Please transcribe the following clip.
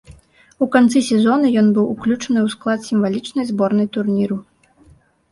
У канцы сезона ён быў уключаны ў склад сімвалічнай зборнай турніру.